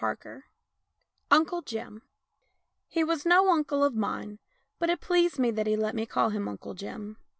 UNCLE JIM UNCLE JIM HE was no uncle of mine, but it pleased me that he let me call him Uncle Jim.